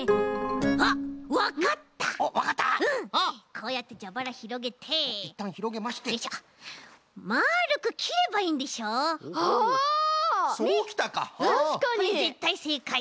これぜったいせいかい！